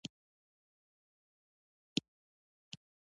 خوشالي مرسته ده.